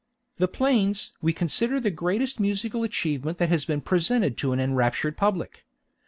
"The Plains" we consider the greatest musical achievement that has been presented to an enraptured public.